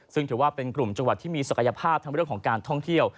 ซึ่งถือว่าเป็นกลุ่มจังหวัดที่มีศักยภาพทั้งเรื่องของการท่องเที่ยว